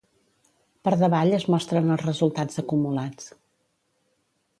Per davall es mostren els resultats acumulats.